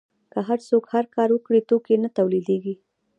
که هر څوک هر کار وکړي توکي نه تولیدیږي.